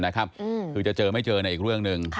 คือจะเจอไม่เจอในอีกเรื่องหนึ่ง